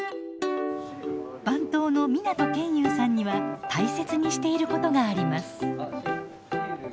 番頭の湊研雄さんには大切にしていることがあります。